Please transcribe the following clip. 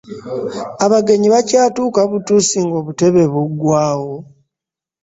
Abagenyi bakyatuuka butuusi ng'obutebe buggwaawo!